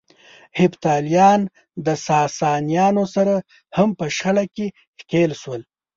هېپتاليان د ساسانيانو سره هم په شخړه کې ښکېل شول.